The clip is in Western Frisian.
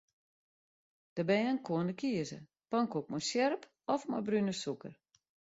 De bern koene kieze: pankoek mei sjerp of mei brune sûker.